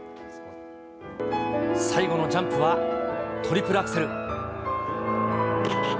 最後のジャンプはトリプルアクセル。